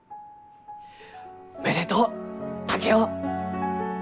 おめでとう竹雄！